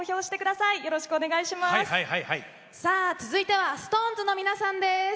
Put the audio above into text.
さあ、続いてはＳｉｘＴＯＮＥＳの皆さんです。